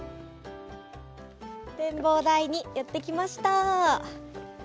展望台にやってきました。